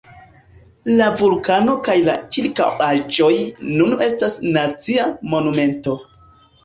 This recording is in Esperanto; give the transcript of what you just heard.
La vulkano kaj la ĉirkaŭaĵoj nun estas nacia monumento.